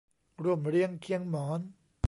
ร่วมเรียงเคียงหมอน